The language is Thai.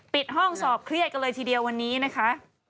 ห้องสอบเครียดกันเลยทีเดียววันนี้นะคะ